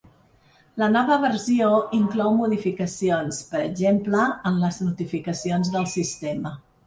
La nova versió inclou modificacions, per exemple, en les notificacions del sistema.